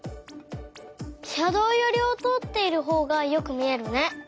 しゃどうよりをとおっているほうがよくみえるね！